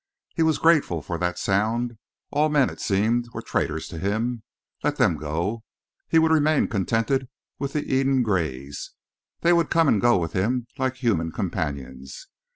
He was grateful for that sound. All men, it seemed, were traitors to him. Let them go. He would remain contented with the Eden Grays. They would come and go with him like human companions.